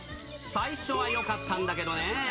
最初はよかったんだけどね。